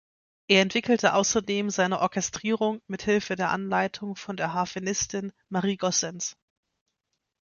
Er entwickelte außerdem seine Orchestrierung mithilfe der Anleitung von der Harfenistin Marie Goossens.